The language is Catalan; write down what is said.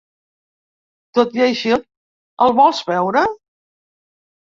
Tot i així, el vols veure?.